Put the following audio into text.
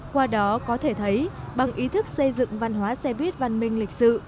qua đó có thể thấy bằng ý thức xây dựng văn hóa xe buýt văn minh lịch sự